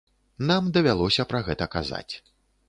Нам давялося пра гэта казаць.